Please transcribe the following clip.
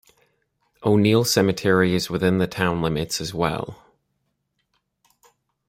O'Neal Cemetery is located within the town limits as well.